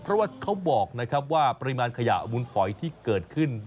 เพราะว่าเขาบอกนะครับว่าปริมาณขยะมุนฝอยที่เกิดขึ้น